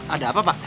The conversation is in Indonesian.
ada apa pak